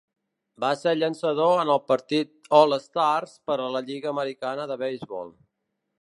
Va ser llançador en el partit All-Star per a la Lliga Americana de Beisbol.